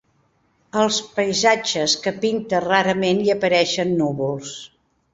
Als paisatges que pinta rarament hi apareixen núvols.